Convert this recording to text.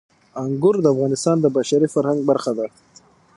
انګور د افغانستان د بشري فرهنګ برخه ده.